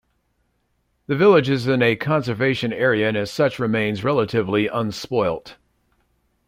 The village is in a Conservation Area and as such remains relatively unspoilt.